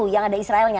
yang ada israelnya